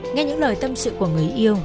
nghe những lời tâm sự của người yêu